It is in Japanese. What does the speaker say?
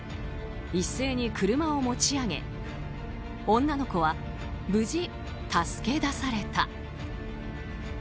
一斉に車を持ち上げ女の子は無事助け出された。